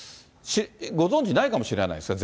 ご存じないかもしれないですか？